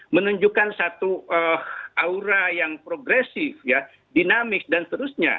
menunjukkan satu aura yang progresif ya dinamis dan seterusnya